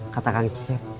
kata kang cisek